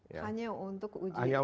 hanya untuk uji